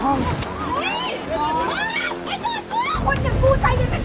อย่าดีคนเดียวกูใจยังไม่เป็น